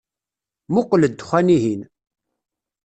Muqel ddexan-ihin.